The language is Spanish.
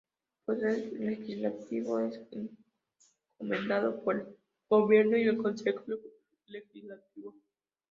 El poder legislativo es encomendado por el gobierno y el Consejo Legislativo.